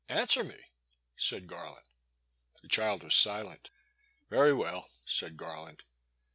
Answer me," said Garland. The child was silent. '* Very weU," said Garland.